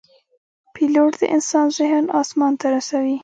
پیلوټ د انسان ذهن آسمان ته رسوي.